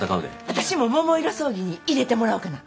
私も桃色争議に入れてもらおうかな。